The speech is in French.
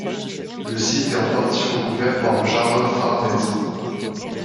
Le site est en partie recouvert par le jardin Farnèse.